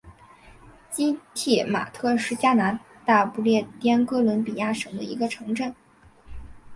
基蒂马特是加拿大不列颠哥伦比亚省的一个城镇。